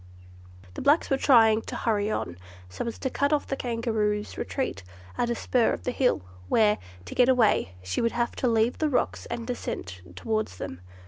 The blacks were trying to hurry on, so as to cut off the Kangaroo's retreat at a spur of the hill, where, to get away, she would have to leave the rocks and descend towards them.